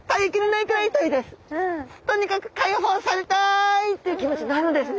とにかく解放されたいっていう気持ちになるんですね。